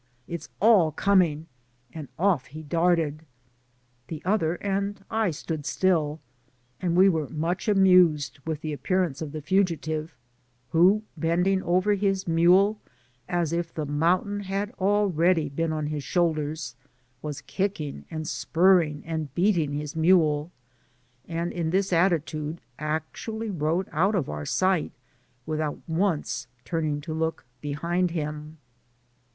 it is all coming !^ and off he darted. The other and I stood still, and we were much amused with the appearance of the Aigitive, who bendmg over his mule, as if the mountain had al Digitized byGoogk THE GREAT CORDILLERA. 175 ready been on his shoulders, was kicking and spur ring and beating his mule, and in this attitude ac tually rode out of our sight, without once turning to look behind. him.